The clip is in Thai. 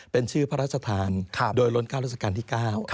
เป็นชื่อพระราชทานโดยล้น๙ราชการที่๙